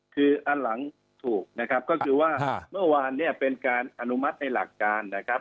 คืออันหลังถูกนะครับก็คือว่าเมื่อวานเนี่ยเป็นการอนุมัติในหลักการนะครับ